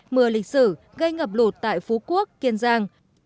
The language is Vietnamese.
mưa lịch sử gây ngập lụt tại phú quốc kiên giang